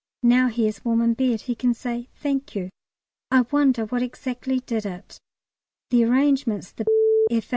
Now he is warm in bed, he can say "Thank you." I wonder what exactly did it. The arrangements the F.A.